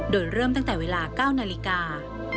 โดยเริ่มตั้งแต่เวลา๙นาฬิกา